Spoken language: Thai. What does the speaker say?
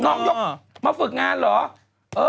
น้องยกมาฝึกงานเหรอ